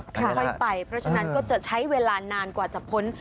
ค่อยไปเพราะฉะนั้นก็จะใช้เวลานานกว่าจะพ้น